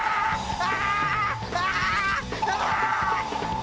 あ！